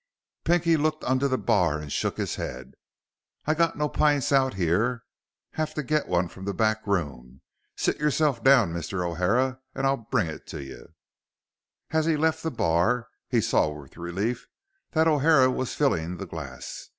Pinky looked under the bar and shook his head. "I got no pints out here. Have to get one from the back room. Sit yourself down, Mr. O'Hara, and I'll bring it to you." As he left the bar, he saw with relief that O'Hara was filling the glass.